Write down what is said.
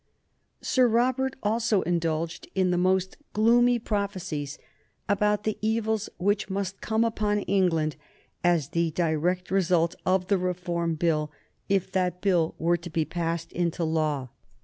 Sir Robert also indulged in the most gloomy prophecies about the evils which must come upon England as the direct result of the Reform Bill if that Bill were to be passed into law.